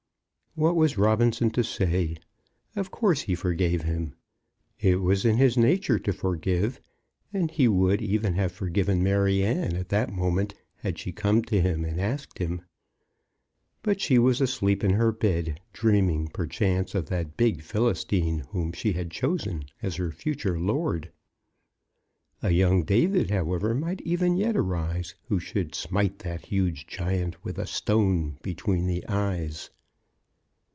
What was Robinson to say? Of course he forgave him. It was in his nature to forgive; and he would even have forgiven Maryanne at that moment, had she come to him and asked him. But she was asleep in her bed, dreaming, perchance, of that big Philistine whom she had chosen as her future lord. A young David, however, might even yet arise, who should smite that huge giant with a stone between the eyes.